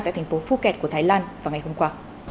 tại thành phố phuket của thái lan vào ngày hôm qua